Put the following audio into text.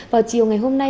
vào chiều ngày hôm nay